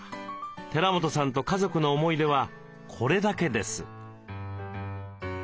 寺本さんと家族の思い出はこれだけです。